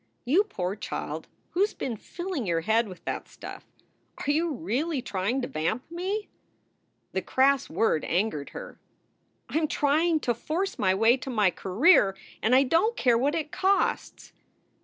"You poor child, who s been rilling your head with that stuff? Are you really trying to vamp me?" The crass word angered her: "I m trying to force my way to my career, and I don t care what it costs."